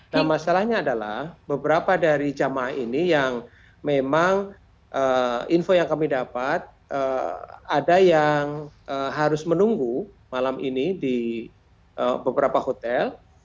nah masalahnya adalah beberapa dari jemaah ini yang memang info yang kami dapat ada yang harus menunggu malam ini di beberapa hotel